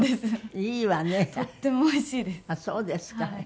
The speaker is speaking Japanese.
あっそうですか。